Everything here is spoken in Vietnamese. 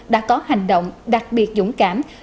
đã có hành động đặc biệt dũng cảm